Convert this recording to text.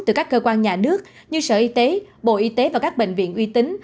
từ các cơ quan nhà nước như sở y tế bộ y tế và các bệnh viện uy tín